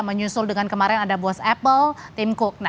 menyusul dengan kemarin ada bos apple tim cook